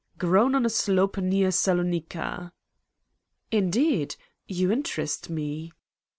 "Grown on a slope near Salonica." "Indeed? You interest me."